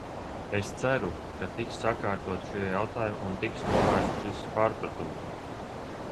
Es ceru, ka tiks sakārtoti šie jautājumi un tiks novērsts šis pārpratums.